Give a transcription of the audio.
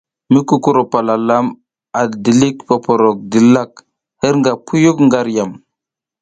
Mukukuro palalama a dilik poprok dilak hirnga puyuk nga ar yam.